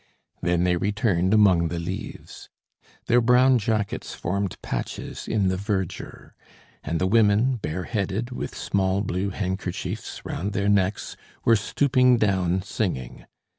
Then they returned among the leaves. Their brown jackets formed patches in the verdure. And the women, bareheaded, with small blue handkerchiefs round their necks, were stooping down singing.